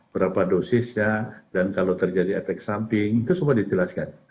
berapa dosisnya dan kalau terjadi efek samping itu semua dijelaskan